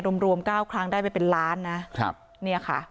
รวมรวมเก้าครั้งได้ไปเป็นล้านนะครับเนี่ยค่ะ